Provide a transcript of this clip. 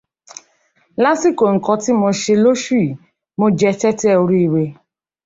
Lásìkò nǹkan tí mo ṣẹ lóṣù yí, mo jẹ tẹ́tẹ́ oríire